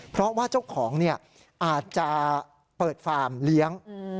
เพราะว่าเจ้าของอาจจะเปิดฟาร์มเลี้ยง